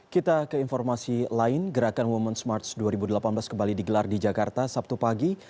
kita ke informasi lain gerakan ⁇ womens ⁇ march dua ribu delapan belas kembali digelar di jakarta sabtu pagi